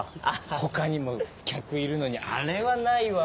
他にも客いるのにあれはないわ。